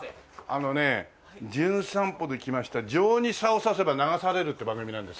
あのね『じゅん散歩』で来ました「情に棹させば流される」って番組なんですよ。